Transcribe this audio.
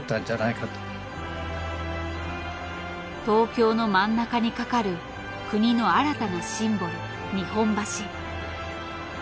東京の真ん中に架かる国の新たなシンボル日本橋。